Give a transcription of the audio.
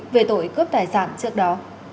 về tội cướp tài sản trước đó